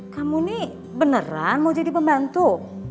kamu ini beneran mau jadi pembantu